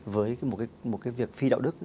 với một việc phi động